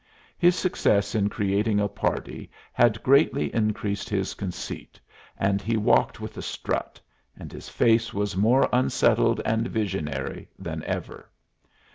His success in creating a party had greatly increased his conceit, and he walked with a strut, and his face was more unsettled and visionary than ever.